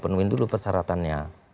penuhi dulu persyaratannya